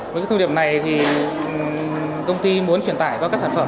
với cái thông điệp này thì công ty muốn truyền tải qua các sản phẩm